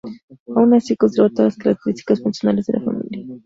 Aun así, conserva todas las características funcionales de la familia.